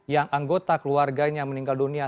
yang anggota keluarganya meninggal dunia